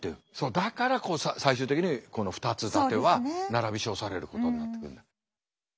だから最終的にこの２つ伊達は並び称されることになっていくんだ。